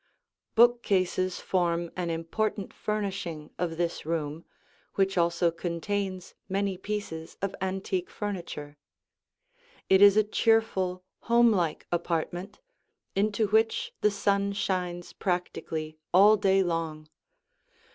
Bookcases form an important furnishing of this room which also contains many pieces of antique furniture. It is a cheerful, homelike apartment, into which the sun shines practically all day long.